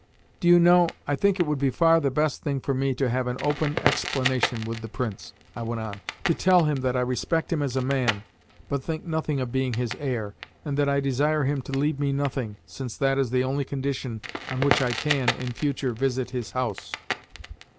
"Do you know, I think it would be far the best thing for me to have an open explanation with the Prince," I went on; "to tell him that I respect him as a man, but think nothing of being his heir, and that I desire him to leave me nothing, since that is the only condition on which I can, in future, visit his house."